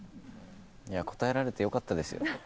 応えられてよかったですよ。